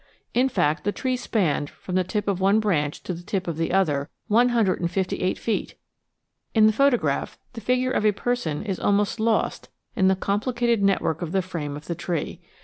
In fact, the tree spanned, from the tip of one branch to the tip of the other, one hundred and fifty eight feet. In the photograph, the figure of a person is almost lost in the complicated network of the frame of the tree.